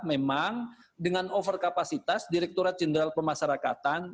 memang dengan overkapasitas direkturat jenderal pemasarakatan